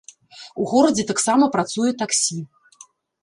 У горадзе таксама працуе таксі.